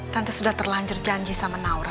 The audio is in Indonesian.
tante sudah terlanjur janji sama naura